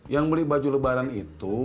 yang beli baju lebaran itu